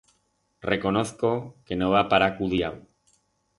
Reconozco que no va parar cudiau.